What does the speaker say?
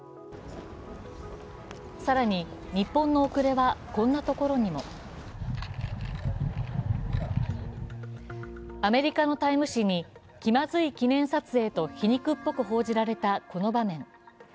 更に、日本の遅れはこんなところにもアメリカの「タイム」誌に気まずい記念写真と皮肉っぽく報じられたこの場面。